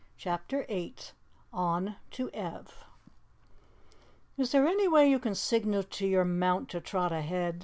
CHAPTER 8 On to Ev "Is there any way you can signal to your mount to trot ahead?"